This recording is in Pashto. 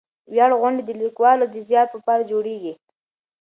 ویاړ غونډې د لیکوالو د زیار په پار جوړېږي.